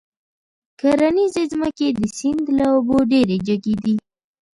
کرنيزې ځمکې د سيند له اوبو ډېرې جګې دي.